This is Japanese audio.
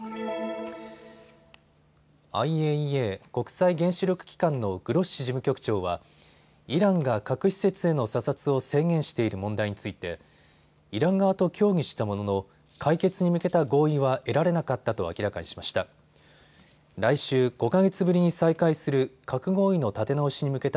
ＩＡＥＡ・国際原子力機関のグロッシ事務局長はイランが核施設への査察を制限している問題についてイラン側と協議したものの解決に向けた合意は得られなかったと明らかにしました。